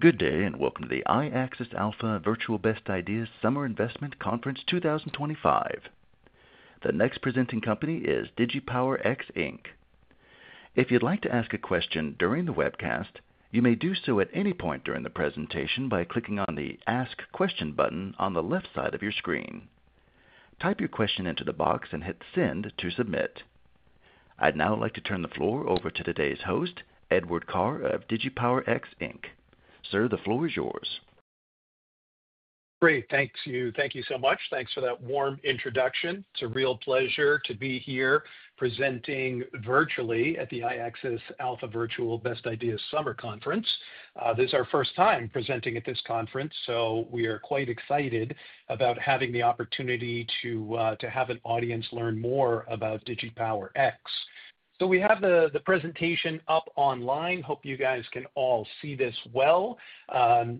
Good day and welcome to the iAccess Alpha Virtual Best Ideas Summer Investment Conference 2025. The next presenting company is DigiPower X Inc. If you'd like to ask a question during the webcast, you may do so at any point during the presentation by clicking on the Ask Question button on the left side of your screen. Type your question into the box and hit Send to submit. I'd now like to turn the floor over to today's host, Edward Carr of DigiPower X Inc. Sir, the floor is yours. Great, thank you. Thank you so much. Thanks for that warm introduction. It's a real pleasure to be here presenting virtually at the iAccess Alpha Virtual Best Ideas Summer Conference. This is our first time presenting at this conference, so we are quite excited about having the opportunity to have an audience learn more about DigiPower X. We have the presentation up online. Hope you guys can all see this well.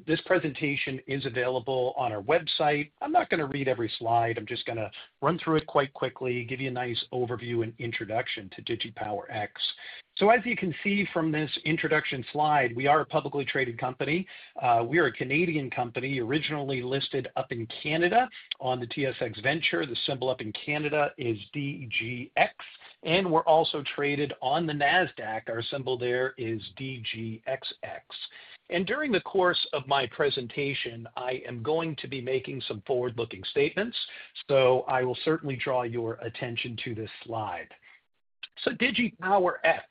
This presentation is available on our website. I'm not going to read every slide. I'm just going to run through it quite quickly, give you a nice overview and introduction to DigiPower X. As you can see from this introduction slide, we are a publicly traded company. We are a Canadian company originally listed up in Canada on the TSX Venture. The symbol up in Canada is DGX, and we're also traded on the NASDAQ. Our symbol there is DGXX. During the course of my presentation, I am going to be making some forward-looking statements, so I will certainly draw your attention to this slide. DigiPower X,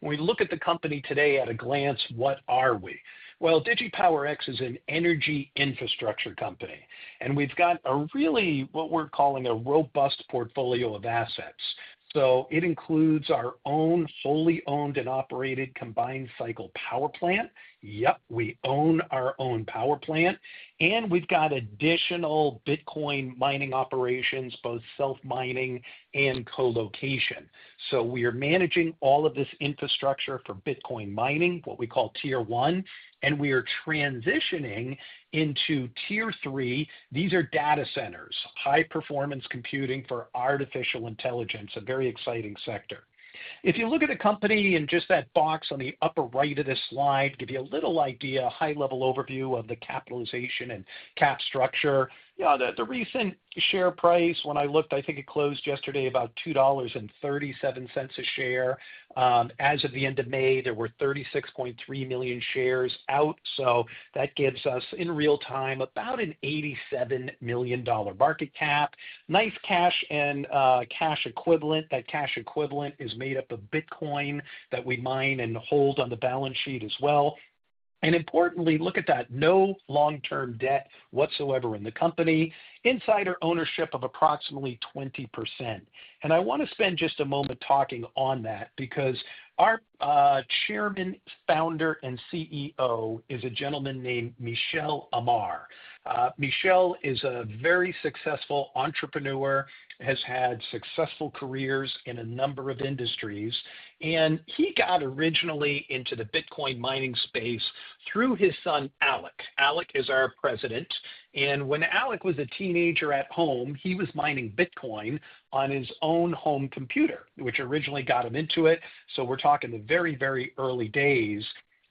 when we look at the company today at a glance, what are we? DigiPower X is an energy infrastructure company, and we have got a really, what we are calling a robust portfolio of assets. It includes our own fully owned and operated combined cycle power plant. Yep, we own our own power plant, and we have got additional Bitcoin mining operations, both self-mining and colocation. We are managing all of this infrastructure for Bitcoin mining, what we call Tier One, and we are transitioning into Tier Three. These are data centers, high-performance computing for artificial intelligence, a very exciting sector. If you look at the company in just that box on the upper right of this slide, give you a little idea, a high-level overview of the capitalization and cap structure. The recent share price, when I looked, I think it closed yesterday about $2.37 a share. As of the end of May, there were 36.3 million shares out, so that gives us in real time about an $87 million market cap. Nice cash and cash equivalent. That cash equivalent is made up of Bitcoin that we mine and hold on the balance sheet as well. Importantly, look at that, no long-term debt whatsoever in the company. Insider ownership of approximately 20%. I want to spend just a moment talking on that because our Chairman, founder, and CEO is a gentleman named Michel Amar. Michel is a very successful entrepreneur, has had successful careers in a number of industries, and he got originally into the Bitcoin mining space through his son, Alec. Alec is our President. When Alec was a teenager at home, he was mining Bitcoin on his own home computer, which originally got him into it. We are talking the very, very early days.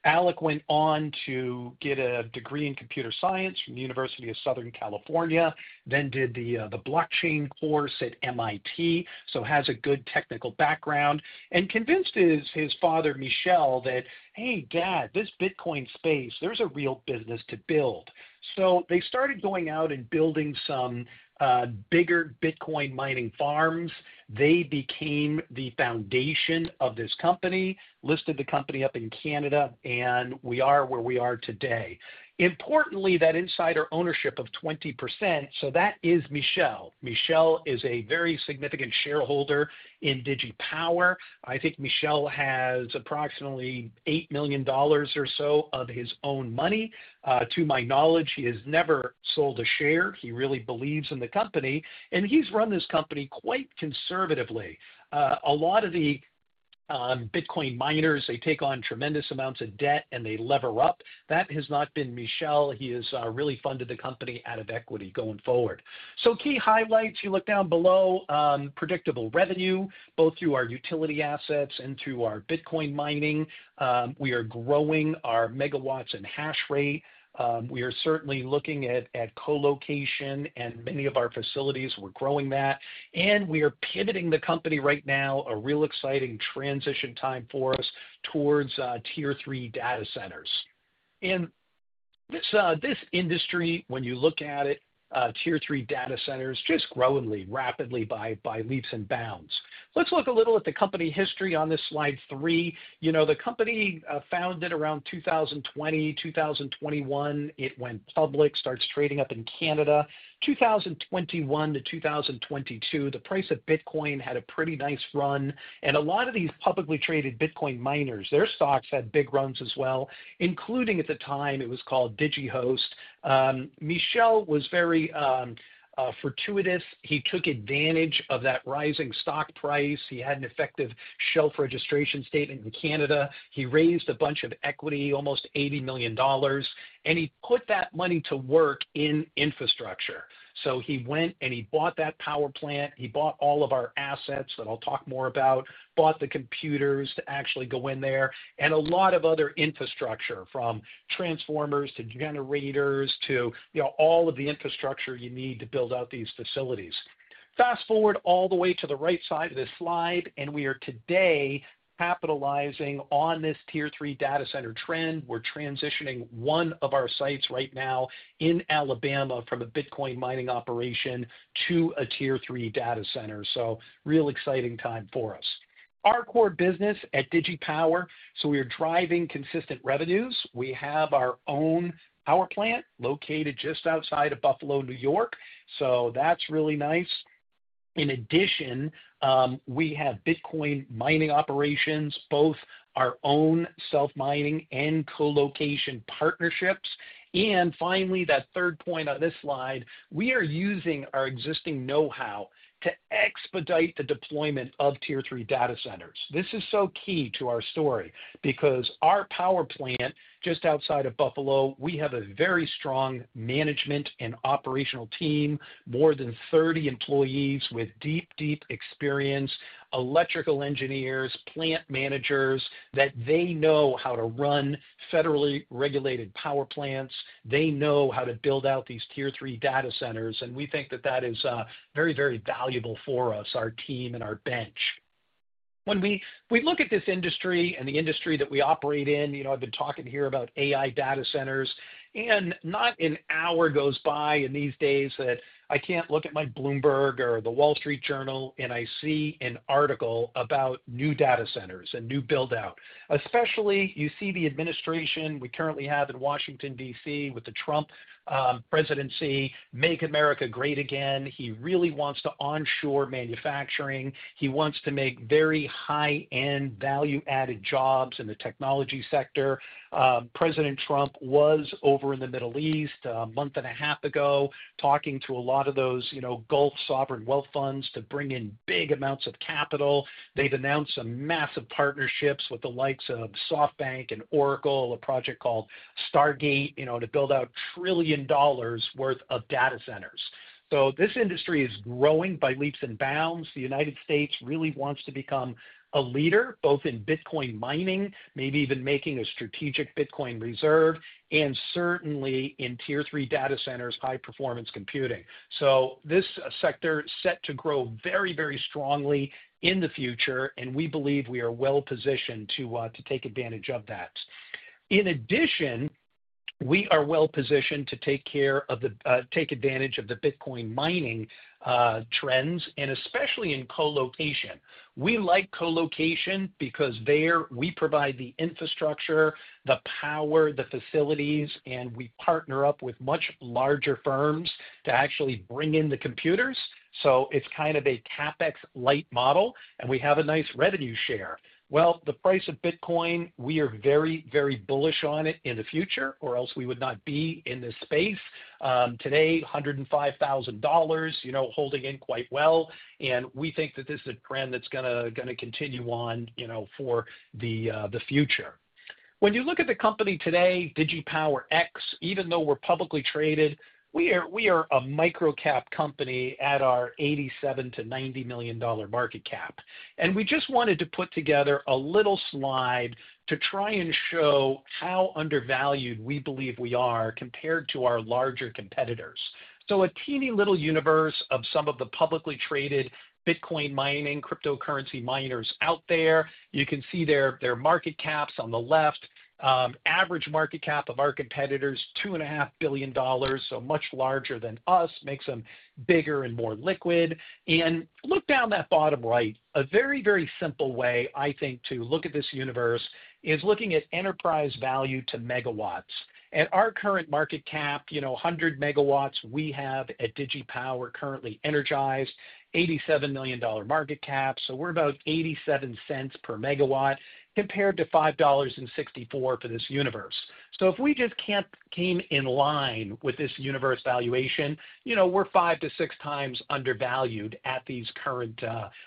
Alec went on to get a degree in computer science from the University of Southern California, then did the blockchain course at MIT, so has a good technical background, and convinced his father, Michel, that, hey, dad, this Bitcoin space, there is a real business to build. They started going out and building some bigger Bitcoin mining farms. They became the foundation of this company, listed the company up in Canada, and we are where we are today. Importantly, that insider ownership of 20%, so that is Michel. Michel is a very significant shareholder in DigiPower. I think Michel has approximately $8 million or so of his own money. To my knowledge, he has never sold a share. He really believes in the company, and he's run this company quite conservatively. A lot of the Bitcoin miners, they take on tremendous amounts of debt and they lever up. That has not been Michel. He has really funded the company out of equity going forward. Key highlights, you look down below, predictable revenue, both through our utility assets and through our Bitcoin mining. We are growing our MWs and hash rate. We are certainly looking at colocation, and many of our facilities, we're growing that. We are pivoting the company right now, a real exciting transition time for us towards Tier Three data centers. This industry, when you look at it, Tier Three data centers just growing rapidly by leaps and bounds. Let's look a little at the company history on this slide three. You know, the company founded around 2020, 2021. It went public, starts trading up in Canada. 2021 to 2022, the price of Bitcoin had a pretty nice run. And a lot of these publicly traded Bitcoin miners, their stocks had big runs as well, including at the time it was called DigiHost. Michel was very fortuitous. He took advantage of that rising stock price. He had an effective shelf registration statement in Canada. He raised a bunch of equity, almost $80 million, and he put that money to work in infrastructure. He went and he bought that power plant. He bought all of our assets that I'll talk more about, bought the computers to actually go in there, and a lot of other infrastructure from transformers to generators to all of the infrastructure you need to build out these facilities. Fast forward all the way to the right side of this slide, and we are today capitalizing on this Tier Three data center trend. We're transitioning one of our sites right now in Alabama from a Bitcoin mining operation to a Tier Three data center. Real exciting time for us. Our core business at DigiPower, so we are driving consistent revenues. We have our own power plant located just outside of Buffalo, New York, so that's really nice. In addition, we have Bitcoin mining operations, both our own self-mining and colocation partnerships. Finally, that third point on this slide, we are using our existing know-how to expedite the deployment of Tier Three data centers. This is so key to our story because our power plant just outside of Buffalo, we have a very strong management and operational team, more than 30 employees with deep, deep experience, electrical engineers, plant managers that they know how to run federally regulated power plants. They know how to build out these Tier Three data centers, and we think that that is very, very valuable for us, our team and our bench. When we look at this industry and the industry that we operate in, you know, I've been talking here about AI data centers, and not an hour goes by in these days that I can't look at my Bloomberg or the Wall Street Journal and I see an article about new data centers and new build-out. Especially you see the administration we currently have in Washington D.C., with the Trump presidency, Make America Great Again. He really wants to onshore manufacturing. He wants to make very high-end value-added jobs in the technology sector. President Trump was over in the Middle East a month and a half ago talking to a lot of those Gulf sovereign wealth funds to bring in big amounts of capital. They've announced some massive partnerships with the likes of SoftBank and Oracle, a project called Stargate, you know, to build out trillion dollars' worth of data centers. This industry is growing by leaps and bounds. The United States really wants to become a leader, both in Bitcoin mining, maybe even making a strategic Bitcoin reserve, and certainly in Tier Three data centers, high-performance computing. This sector is set to grow very, very strongly in the future, and we believe we are well positioned to take advantage of that. In addition, we are well positioned to take advantage of the Bitcoin mining trends, and especially in colocation. We like colocation because there we provide the infrastructure, the power, the facilities, and we partner up with much larger firms to actually bring in the computers. It's kind of a CapEx light model, and we have a nice revenue share. The price of Bitcoin, we are very, very bullish on it in the future, or else we would not be in this space. Today, $105,000, you know, holding in quite well, and we think that this is a trend that's going to continue on, you know, for the future. When you look at the company today, DigiPower X, even though we're publicly traded, we are a micro-cap company at our $87-$90 million market cap. We just wanted to put together a little slide to try and show how undervalued we believe we are compared to our larger competitors. A teeny little universe of some of the publicly traded Bitcoin mining, cryptocurrency miners out there. You can see their market caps on the left. Average market cap of our competitors, $2.5 billion, so much larger than us, makes them bigger and more liquid. Look down that bottom right, a very, very simple way, I think, to look at this universe is looking at enterprise value to megawatts. At our current market cap, you know, 100 MWs, we have at DigiPower currently energized $87 million market cap. We are about $0.87 per megawatt compared to $5.64 for this universe. If we just came in line with this universe valuation, you know, we are five to six times undervalued at these current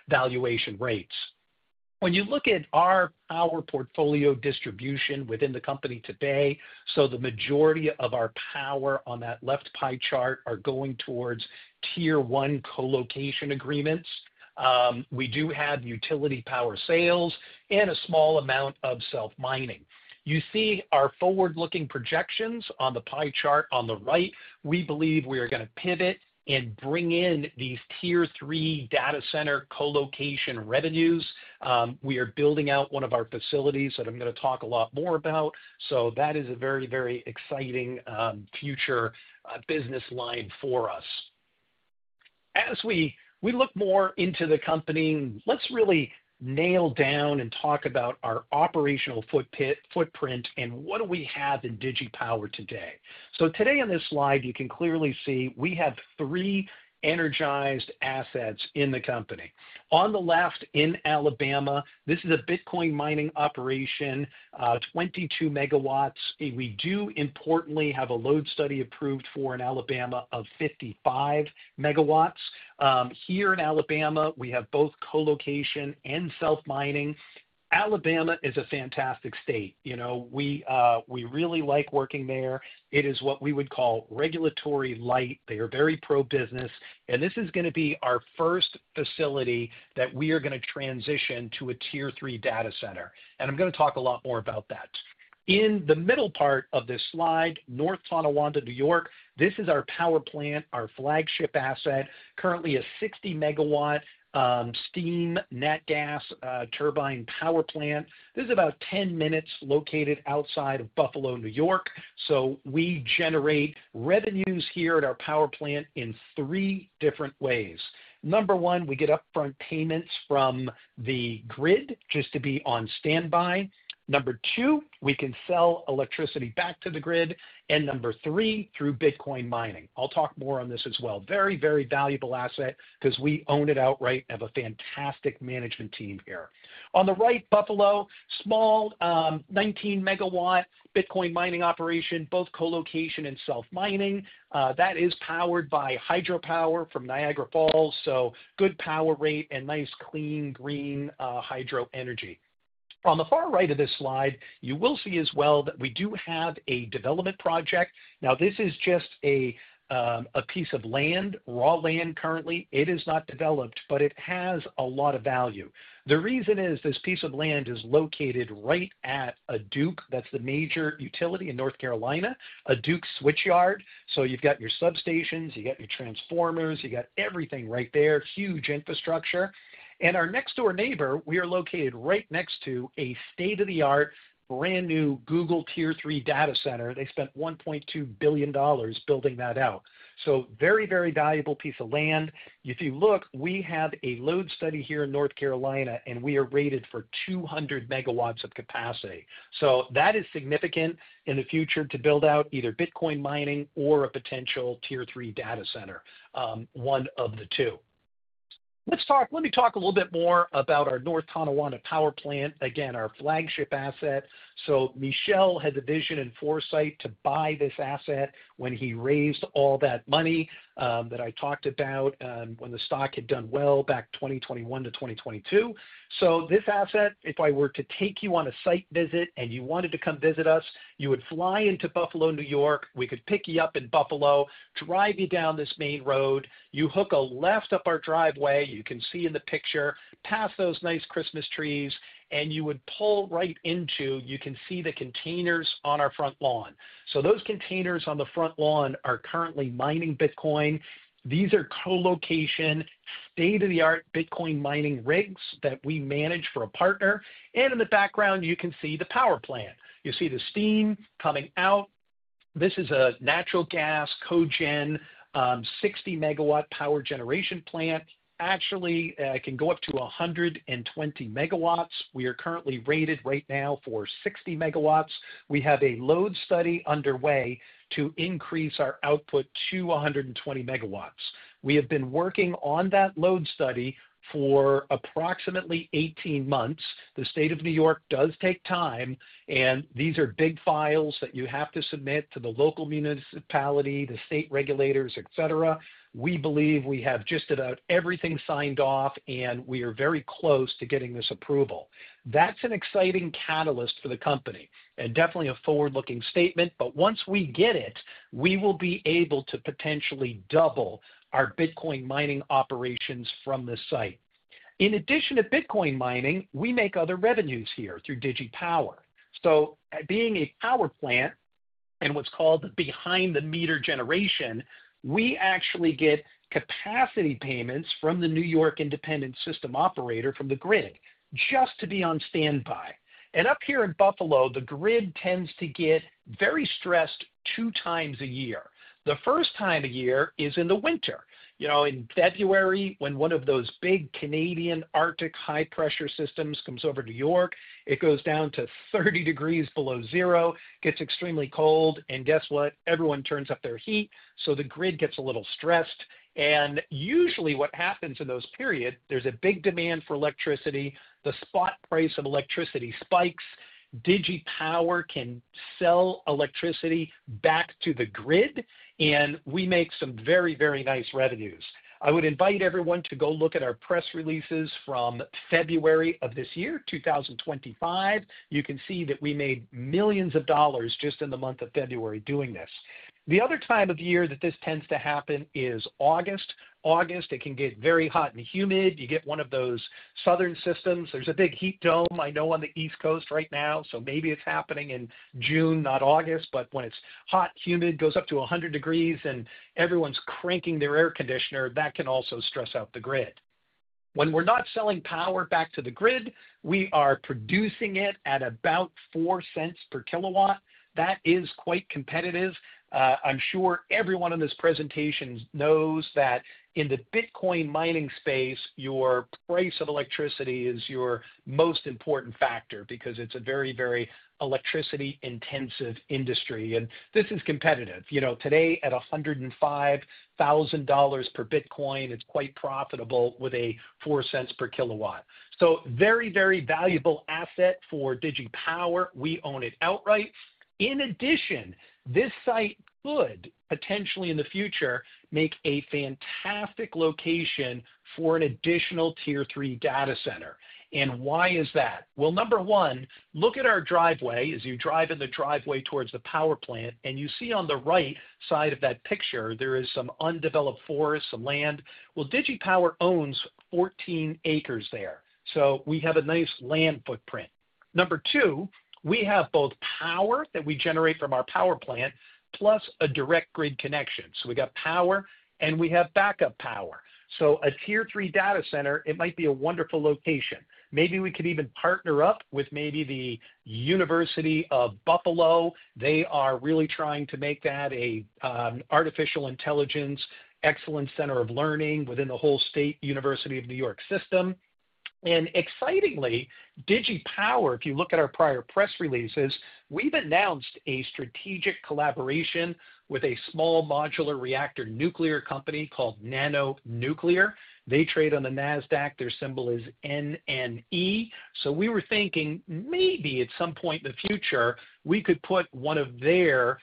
valuation rates. When you look at our power portfolio distribution within the company today, the majority of our power on that left pie chart are going towards Tier One colocation agreements. We do have utility power sales and a small amount of self-mining. You see our forward-looking projections on the pie chart on the right. We believe we are going to pivot and bring in these Tier Three data center colocation revenues. We are building out one of our facilities that I'm going to talk a lot more about. That is a very, very exciting future business line for us. As we look more into the company, let's really nail down and talk about our operational footprint and what do we have in DigiPower today. Today on this slide, you can clearly see we have three energized assets in the company. On the left in Alabama, this is a Bitcoin mining operation, 22 MW. We do importantly have a load study approved for in Alabama of 55 MW. Here in Alabama, we have both colocation and self-mining. Alabama is a fantastic state. You know, we really like working there. It is what we would call regulatory light. They are very pro-business. This is going to be our first facility that we are going to transition to a Tier Three data center. I'm going to talk a lot more about that. In the middle part of this slide, North Tonawanda, New York, this is our power plant, our flagship asset, currently a 60 MW steam net gas turbine power plant. This is about 10 minutes located outside of Buffalo, New York. We generate revenues here at our power plant in three different ways. Number one, we get upfront payments from the grid just to be on standby. Number two, we can sell electricity back to the grid. Number three, through Bitcoin mining. I'll talk more on this as well. Very, very valuable asset because we own it outright and have a fantastic management team here. On the right, Buffalo, small 19 MW Bitcoin mining operation, both colocation and self-mining. That is powered by hydropower from Niagara Falls, so good power rate and nice clean green hydro energy. On the far right of this slide, you will see as well that we do have a development project. Now, this is just a piece of land, raw land currently. It is not developed, but it has a lot of value. The reason is this piece of land is located right at a Duke, that's the major utility in North Carolina, a Duke switchyard. You have your substations, you have your transformers, you have everything right there, huge infrastructure. Our next door neighbor, we are located right next to a state-of-the-art, brand new Google Tier Three data center. They spent $1.2 billion building that out. Very, very valuable piece of land. If you look, we have a load study here in North Carolina, and we are rated for 200 MW of capacity. That is significant in the future to build out either Bitcoin mining or a potential Tier Three data center, one of the two. Let me talk a little bit more about our North Tonawanda power plant, again, our flagship asset. Michel had the vision and foresight to buy this asset when he raised all that money that I talked about when the stock had done well back 2021 to 2022. This asset, if I were to take you on a site visit and you wanted to come visit us, you would fly into Buffalo, New York. We could pick you up in Buffalo, drive you down this main road. You hook a left up our driveway, you can see in the picture, past those nice Christmas trees, and you would pull right into, you can see the containers on our front lawn. Those containers on the front lawn are currently mining Bitcoin. These are colocation, state-of-the-art Bitcoin mining rigs that we manage for a partner. In the background, you can see the power plant. You see the steam coming out. This is a natural gas cogen, 60 MW power generation plant. Actually, it can go up to 120 MW. We are currently rated right now for 60 MW. We have a load study underway to increase our output to 120 MW. We have been working on that load study for approximately 18 months. The state of New York does take time, and these are big files that you have to submit to the local municipality, the state regulators, et cetera. We believe we have just about everything signed off, and we are very close to getting this approval. That is an exciting catalyst for the company and definitely a forward-looking statement. Once we get it, we will be able to potentially double our Bitcoin mining operations from the site. In addition to Bitcoin mining, we make other revenues here through DigiPower. Being a power plant and what is called the behind-the-meter generation, we actually get capacity payments from the New York Independent System Operator from the grid just to be on standby. Up here in Buffalo, the grid tends to get very stressed two times a year. The first time a year is in the winter. You know, in February, when one of those big Canadian Arctic high pressure systems comes over to New York, it goes down to 30 degrees below zero, gets extremely cold, and guess what? Everyone turns up their heat. The grid gets a little stressed. Usually what happens in those periods, there's a big demand for electricity. The spot price of electricity spikes. DigiPower can sell electricity back to the grid, and we make some very, very nice revenues. I would invite everyone to go look at our press releases from February of this year, 2025. You can see that we made millions of dollars just in the month of February doing this. The other time of year that this tends to happen is August. August, it can get very hot and humid. You get one of those southern systems. There's a big heat dome, I know, on the East Coast right now. Maybe it's happening in June, not August, but when it's hot, humid, goes up to 100 degrees and everyone's cranking their air conditioner, that can also stress out the grid. When we're not selling power back to the grid, we are producing it at about $0.04 per kilowatt. That is quite competitive. I'm sure everyone in this presentation knows that in the Bitcoin mining space, your price of electricity is your most important factor because it's a very, very electricity-intensive industry. This is competitive. You know, today at $105,000 per Bitcoin, it's quite profitable with a $0.04 per kilowatt. Very, very valuable asset for DigiPower. We own it outright. In addition, this site could potentially in the future make a fantastic location for an additional Tier Three data center. Why is that? Number one, look at our driveway as you drive in the driveway towards the power plant. You see on the right side of that picture, there is some undeveloped forest, some land. DigiPower owns 14 acres there, so we have a nice land footprint. Number two, we have both power that we generate from our power plant plus a direct grid connection. We have power and we have backup power. A Tier Three data center might be a wonderful location. Maybe we could even partner up with maybe the University at Buffalo. They are really trying to make that an artificial intelligence excellence center of learning within the whole State University of New York system. Excitingly, DigiPower, if you look at our prior press releases, we've announced a strategic collaboration with a small modular reactor nuclear company called Nano Nuclear. They trade on NASDAQ. Their symbol is NNE. We were thinking maybe at some point in the future, we could put one of their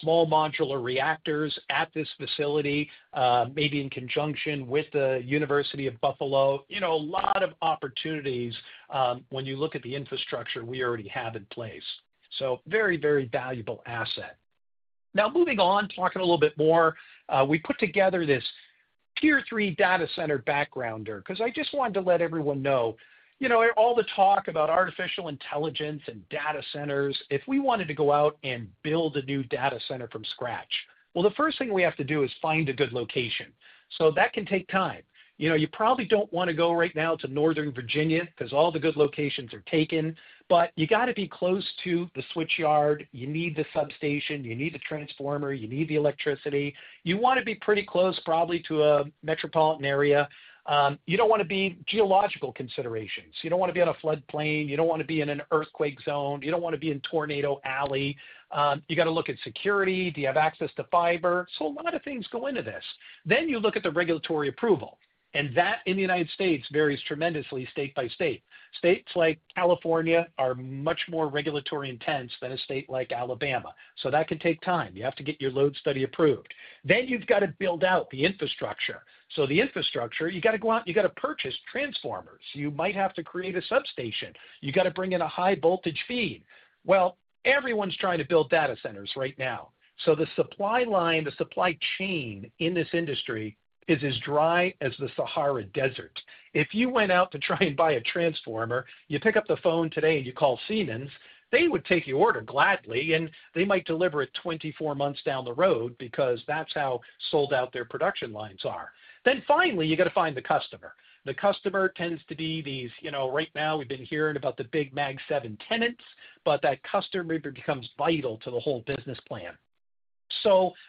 small modular reactors at this facility, maybe in conjunction with the University at Buffalo. You know, a lot of opportunities when you look at the infrastructure we already have in place. Very, very valuable asset. Now moving on, talking a little bit more, we put together this Tier Three data center backgrounder because I just wanted to let everyone know, you know, all the talk about artificial intelligence and data centers, if we wanted to go out and build a new data center from scratch, the first thing we have to do is find a good location. That can take time. You know, you probably don't want to go right now to Northern Virginia because all the good locations are taken, but you got to be close to the switchyard. You need the substation, you need the transformer, you need the electricity. You want to be pretty close probably to a metropolitan area. You don't want to be geological considerations. You don't want to be on a floodplain. You don't want to be in an earthquake zone. You don't want to be in tornado alley. You got to look at security. Do you have access to fiber? A lot of things go into this. You look at the regulatory approval. That in the U.S. varies tremendously state by state. States like California are much more regulatory intense than a state like Alabama. That can take time. You have to get your load study approved. You have to build out the infrastructure. The infrastructure, you got to go out, you got to purchase transformers. You might have to create a substation. You got to bring in a high voltage feed. Everyone's trying to build data centers right now. The supply line, the supply chain in this industry is as dry as the Sahara Desert. If you went out to try and buy a transformer, you pick up the phone today and you call Siemens, they would take your order gladly and they might deliver it 24 months down the road because that is how sold out their production lines are. Finally, you got to find the customer. The customer tends to be these, you know, right now we have been hearing about the big Mag 7 tenants, but that customer becomes vital to the whole business plan.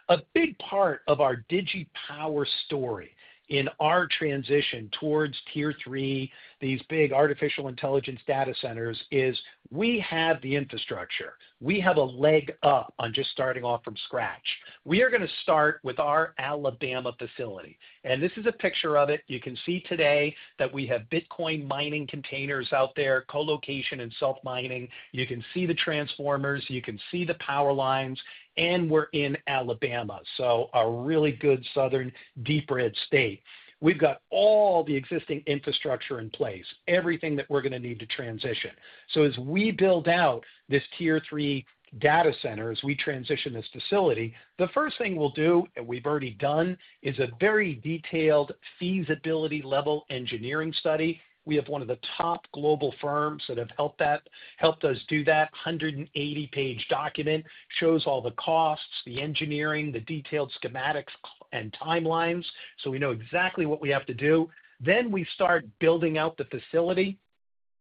A big part of our DigiPower story in our transition towards Tier Three, these big artificial intelligence data centers is we have the infrastructure. We have a leg up on just starting off from scratch. We are going to start with our Alabama facility. This is a picture of it. You can see today that we have Bitcoin mining containers out there, colocation and self-mining. You can see the transformers. You can see the power lines. We're in Alabama. A really good southern deep red state. We've got all the existing infrastructure in place, everything that we're going to need to transition. As we build out this Tier Three data center, as we transition this facility, the first thing we'll do, and we've already done, is a very detailed feasibility level engineering study. We have one of the top global firms that have helped us do that. A 180-page document shows all the costs, the engineering, the detailed schematics and timelines. We know exactly what we have to do. We start building out the facility.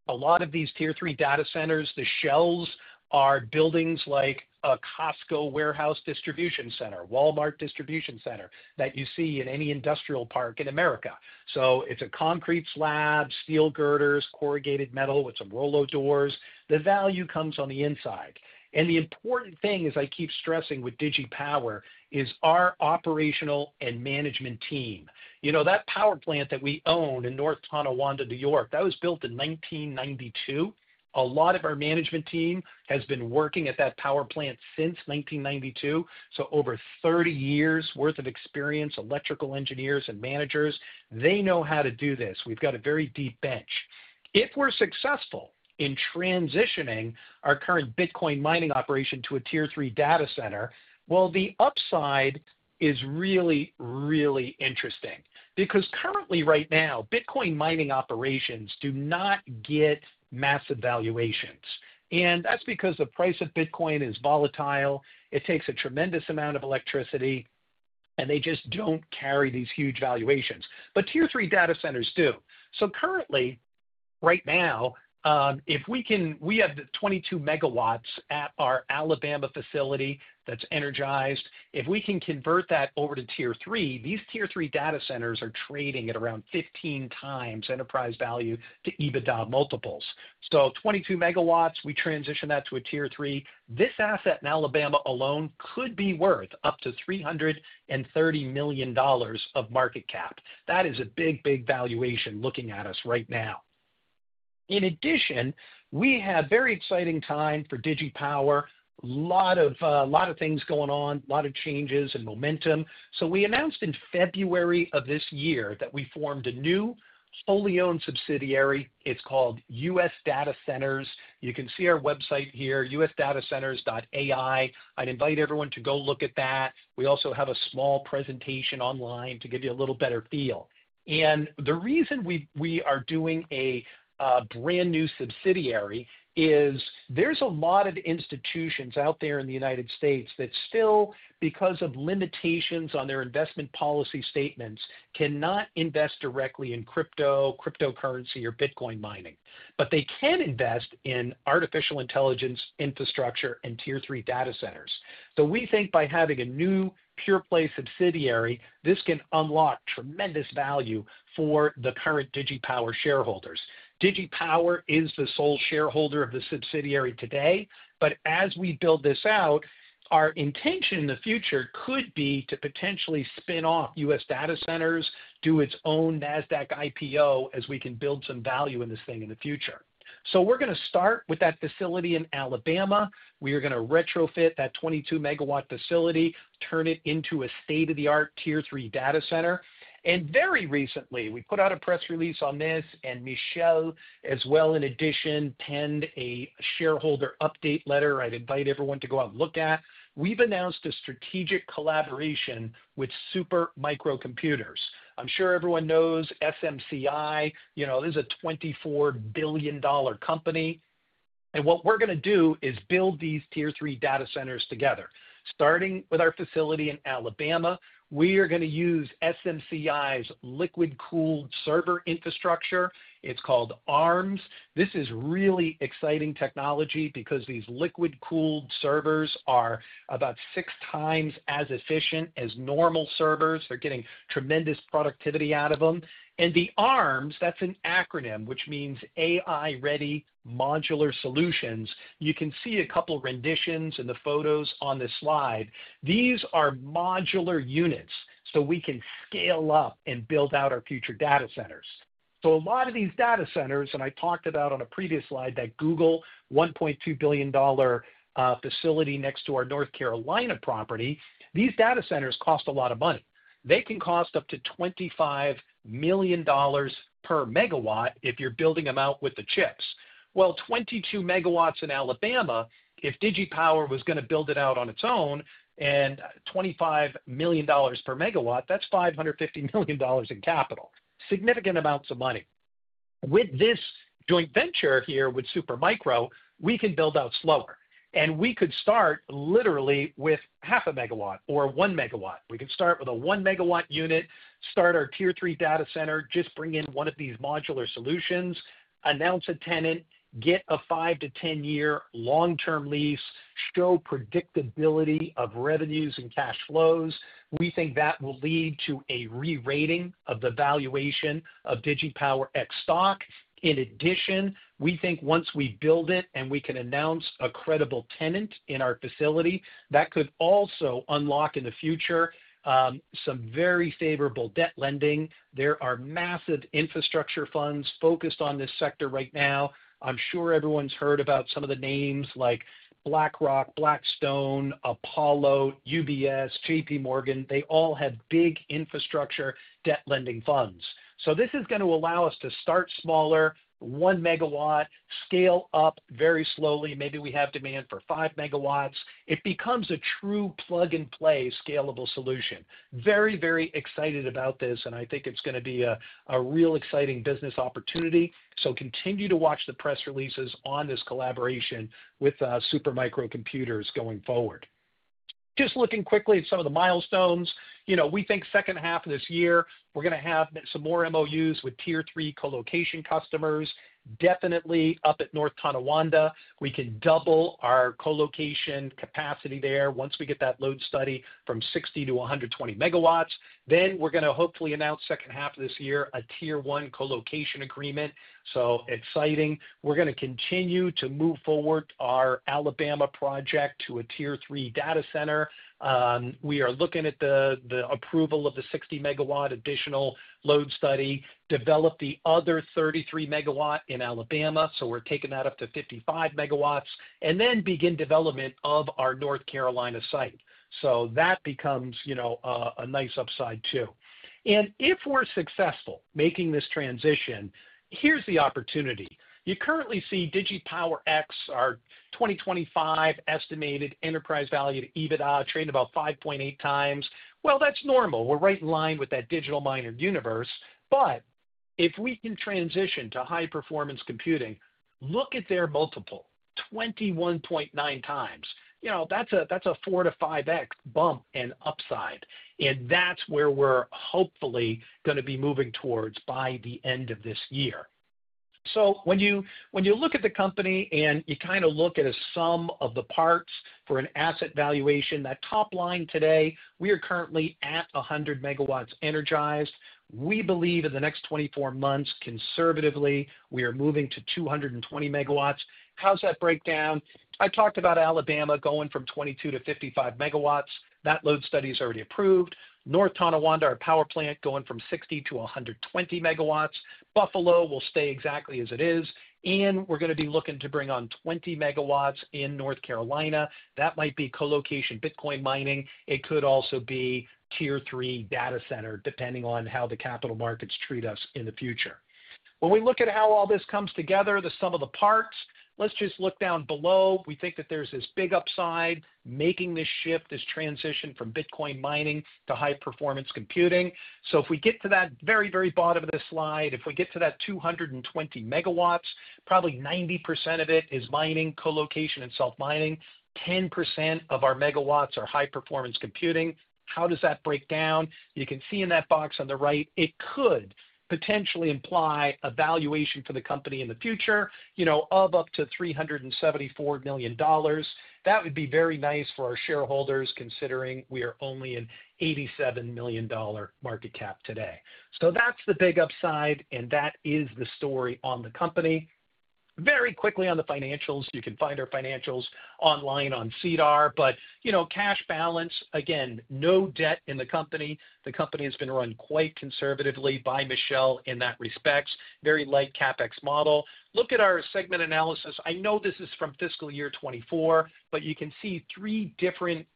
A lot of these Tier Three data centers, the shells are buildings like a Costco warehouse distribution center, Walmart distribution center that you see in any industrial park in America. It's a concrete slab, steel girders, corrugated metal with some rollo doors. The value comes on the inside. The important thing, as I keep stressing with DigiPower, is our operational and management team. You know, that power plant that we own in North Tonawanda, New York, that was built in 1992. A lot of our management team has been working at that power plant since 1992. Over 30 years' worth of experience, electrical engineers and managers, they know how to do this. We've got a very deep bench. If we're successful in transitioning our current Bitcoin mining operation to a Tier Three data center, the upside is really, really interesting because currently right now, Bitcoin mining operations do not get massive valuations. That's because the price of Bitcoin is volatile. It takes a tremendous amount of electricity, and they just don't carry these huge valuations. Tier Three data centers do. Currently, right now, if we can, we have the 22 MW at our Alabama facility that's energized. If we can convert that over to Tier Three, these Tier Three data centers are trading at around 15 times enterprise value to EBITDA multiples. So 22 MW, we transition that to a Tier Three. This asset in Alabama alone could be worth up to $330 million of market cap. That is a big, big valuation looking at us right now. In addition, we have a very exciting time for DigiPower. A lot of things going on, a lot of changes and momentum. We announced in February of this year that we formed a new fully owned subsidiary. It's called US Data Centers. You can see our website here, usdatacenters.ai. I'd invite everyone to go look at that. We also have a small presentation online to give you a little better feel. The reason we are doing a brand new subsidiary is there's a lot of institutions out there in the United States. that still, because of limitations on their investment policy statements, cannot invest directly in crypto, cryptocurrency, or Bitcoin mining. They can invest in artificial intelligence infrastructure and Tier Three data centers. We think by having a new pure play subsidiary, this can unlock tremendous value for the current DigiPower shareholders. DigiPower is the sole shareholder of the subsidiary today. As we build this out, our intention in the future could be to potentially spin off U.S. data centers, do its own NASDAQ IPO as we can build some value in this thing in the future. We're going to start with that facility in Alabama. We are going to retrofit that 22 MW facility, turn it into a state-of-the-art Tier Three data center. Very recently, we put out a press release on this, and Michel, as well, in addition, penned a shareholder update letter I'd invite everyone to go out and look at. We've announced a strategic collaboration with Super Micro Computer. I'm sure everyone knows SMCI. You know, this is a $24 billion company. What we're going to do is build these Tier Three data centers together. Starting with our facility in Alabama, we are going to use SMCI's liquid-cooled server infrastructure. It's called ARMS. This is really exciting technology because these liquid-cooled servers are about six times as efficient as normal servers. They're getting tremendous productivity out of them. The ARMS, that's an acronym, which means AI-Ready Modular Solutions. You can see a couple of renditions in the photos on this slide. These are modular units. We can scale up and build out our future data centers. A lot of these data centers, and I talked about on a previous slide, that Google $1.2 billion facility next to our North Carolina property, these data centers cost a lot of money. They can cost up to $25 million per megawatt if you're building them out with the chips. 22 MW in Alabama, if DigiPower was going to build it out on its own and $25 million per megawatt, that's $550 million in capital. Significant amounts of money. With this joint venture here with Super Micro, we can build out slower. We could start literally with 0.5 MW or 1 MW. We could start with a 1 MW unit, start our Tier Three data center, just bring in one of these modular solutions, announce a tenant, get a five- to ten-year long-term lease, show predictability of revenues and cash flows. We think that will lead to a re-rating of the valuation of DigiPower X stock. In addition, we think once we build it and we can announce a credible tenant in our facility, that could also unlock in the future some very favorable debt lending. There are massive infrastructure funds focused on this sector right now. I'm sure everyone's heard about some of the names like BlackRock, Blackstone, Apollo, UBS, JP Morgan. They all have big infrastructure debt lending funds. This is going to allow us to start smaller, 1 MW, scale up very slowly. Maybe we have demand for 5 MW. It becomes a true plug and play scalable solution. Very, very excited about this. I think it's going to be a real exciting business opportunity. Continue to watch the press releases on this collaboration with Super Micro Computers going forward. Just looking quickly at some of the milestones, you know, we think second half of this year, we're going to have some more MOUs with Tier Three colocation customers. Definitely up at North Tonawanda, we can double our colocation capacity there once we get that load study from 60 to 120 MW. We're going to hopefully announce second half of this year a Tier One colocation agreement. So exciting. We're going to continue to move forward our Alabama project to a Tier Three data center. We are looking at the approval of the 60 MW additional load study, develop the other 33 MW in Alabama. We're taking that up to 55 MW and then begin development of our North Carolina site. That becomes, you know, a nice upside too. If we're successful making this transition, here's the opportunity. You currently see DigiPower X, our 2025 estimated enterprise value to EBITDA trading about 5.8 times. That's normal. We're right in line with that digital miner universe. If we can transition to high-performance computing, look at their multiple, 21.9 times. That's a 4-5X bump and upside. That's where we're hopefully going to be moving towards by the end of this year. When you look at the company and you kind of look at a sum of the parts for an asset valuation, that top line today, we are currently at 100 MW energized. We believe in the next 24 months conservatively, we are moving to 220 MW. How's that breakdown? I talked about Alabama going from 22-55 MW. That load study is already approved. North Tonawanda, our power plant, going from 60-120 MW. Buffalo will stay exactly as it is. We are going to be looking to bring on 20 MW in North Carolina. That might be colocation Bitcoin mining. It could also be Tier Three data center, depending on how the capital markets treat us in the future. When we look at how all this comes together, the sum of the parts, let's just look down below. We think that there's this big upside making this shift, this transition from Bitcoin mining to high-performance computing. If we get to that very, very bottom of this slide, if we get to that 220 MW, probably 90% of it is mining, colocation and self-mining. 10% of our megawatts are high-performance computing. How does that break down? You can see in that box on the right, it could potentially imply a valuation for the company in the future, you know, of up to $374 million. That would be very nice for our shareholders considering we are only an $87 million market cap today. That is the big upside. That is the story on the company. Very quickly on the financials, you can find our financials online on SEDAR. You know, cash balance, again, no debt in the company. The company has been run quite conservatively by Michel in that respect. Very light CapEx model. Look at our segment analysis. I know this is from fiscal year 2024, but you can see three different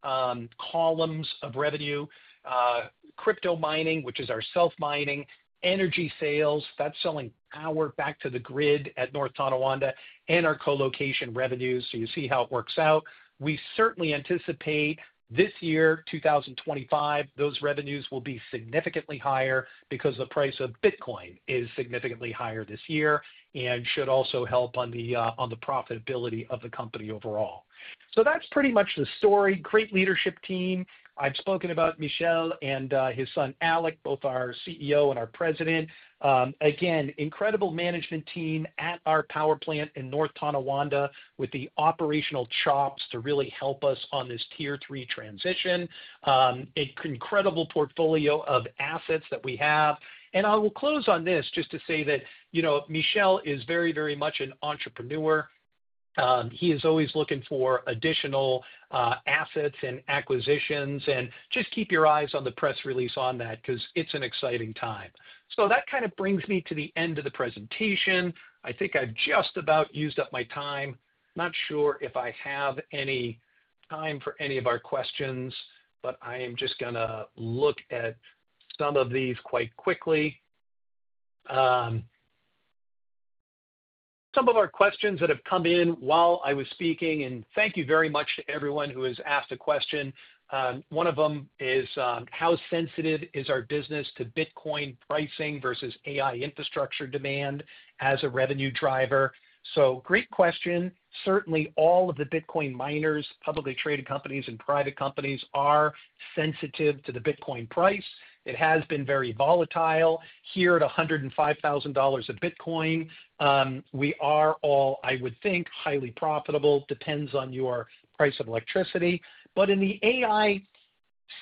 columns of revenue: crypto mining, which is our self-mining; energy sales, that's selling power back to the grid at North Tonawanda; and our colocation revenues. You see how it works out. We certainly anticipate this year, 2025, those revenues will be significantly higher because the price of Bitcoin is significantly higher this year and should also help on the profitability of the company overall. That is pretty much the story. Great leadership team. I have spoken about Michel and his son, Alec, both our CEO and our President. Again, incredible management team at our power plant in North Tonawanda with the operational chops to really help us on this Tier Three transition. An incredible portfolio of assets that we have. I will close on this just to say that, you know, Michel is very, very much an entrepreneur. He is always looking for additional assets and acquisitions. Just keep your eyes on the press release on that because it is an exciting time. That kind of brings me to the end of the presentation. I think I have just about used up my time. Not sure if I have any time for any of our questions, but I am just going to look at some of these quite quickly. Some of our questions that have come in while I was speaking, and thank you very much to everyone who has asked a question. One of them is, how sensitive is our business to Bitcoin pricing versus AI infrastructure demand as a revenue driver? Great question. Certainly, all of the Bitcoin miners, publicly traded companies, and private companies are sensitive to the Bitcoin price. It has been very volatile. Here at $105,000 of Bitcoin, we are all, I would think, highly profitable. Depends on your price of electricity. In the AI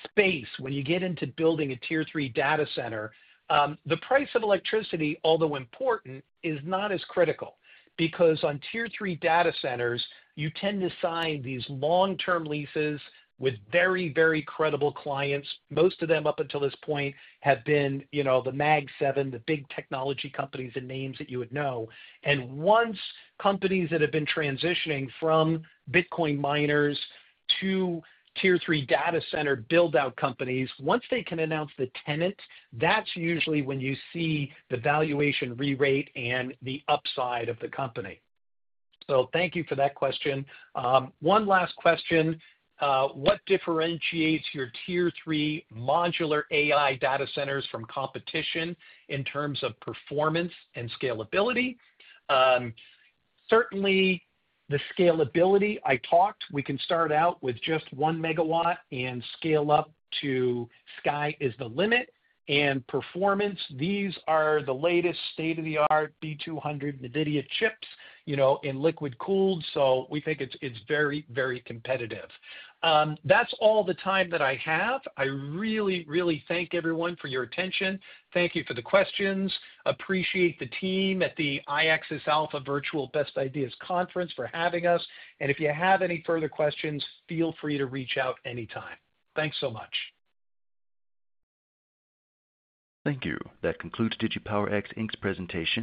space, when you get into building a Tier Three data center, the price of electricity, although important, is not as critical because on Tier Three data centers, you tend to sign these long-term leases with very, very credible clients. Most of them up until this point have been, you know, the Mag 7, the big technology companies and names that you would know. Once companies that have been transitioning from Bitcoin miners to Tier Three data center build-out companies, once they can announce the tenant, that's usually when you see the valuation re-rate and the upside of the company. Thank you for that question. One last question. What differentiates your Tier Three modular AI data centers from competition in terms of performance and scalability? Certainly, the scalability. I talked. We can start out with just 1 MW and scale up to sky is the limit. And performance, these are the latest state-of-the-art B200 NVIDIA chips, you know, in liquid cooled. So we think it's very, very competitive. That's all the time that I have. I really, really thank everyone for your attention. Thank you for the questions. Appreciate the team at the iAccess Alpha Virtual Best Ideas Conference for having us. If you have any further questions, feel free to reach out anytime. Thanks so much. Thank you. That concludes DigiPower X's presentation.